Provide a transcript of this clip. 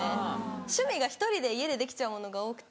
趣味が１人で家でできちゃうものが多くて。